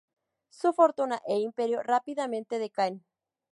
Su fortuna e imperio rápidamente decaen.